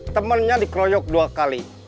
temennya dikeroyok dua kali